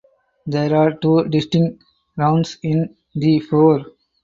There are two distinct rounds in "The Four".